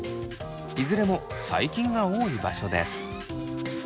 いずれも細菌が多い場所です。